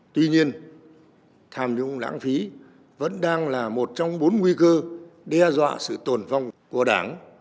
tuy nhiên tham nhũng lãng phí vẫn đang là một trong bốn nguy cơ đe dọa sự tồn vong của đảng